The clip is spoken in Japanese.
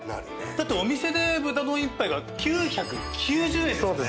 だってお店で豚丼１杯が９９０円ですよね？